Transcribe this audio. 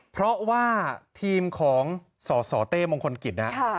เพราะว่าทีมของสสเต้มงคลกิจนะ